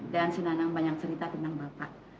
dan si nanang banyak cerita tentang bapak